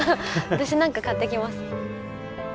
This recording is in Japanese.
私何か買ってきます。